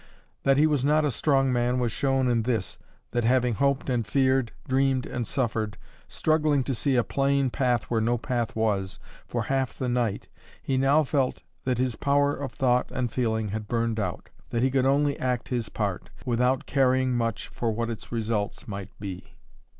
That he was not a strong man was shown in this that having hoped and feared, dreamed and suffered, struggling to see a plain path where no path was, for half the night, he now felt that his power of thought and feeling had burned out, that he could only act his part, without caring much what its results might be.